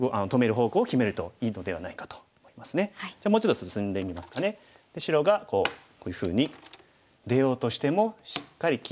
じゃあもうちょっと進んでみますかね。白がこういうふうに出ようとしてもしっかり切っておいて。